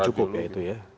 itu tidak cukup ya itu ya